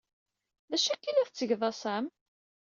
D acu akka ay la tettgeḍ a Sam?